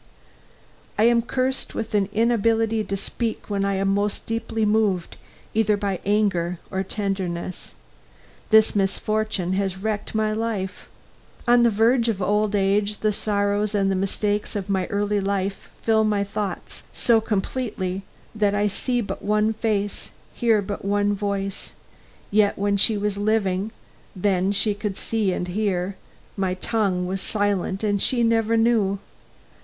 I am cursed with an inability to speak when I am most deeply moved, either by anger or tenderness. This misfortune has wrecked my life. On the verge of old age, the sorrows and the mistakes of my early life fill my thoughts so completely that I see but one face, hear but one voice; yet when she was living when she could see and hear, my tongue was silent and she never knew.